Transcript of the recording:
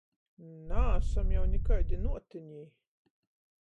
Naasam jau nikaidi nuotinī!